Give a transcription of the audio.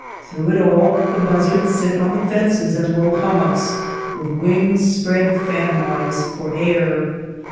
Through it all the buzzards sit on the fences and low hummocks, with wings spead fanwise for air.